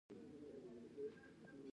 کاري پلان د ترسره کیدو نیټه لري.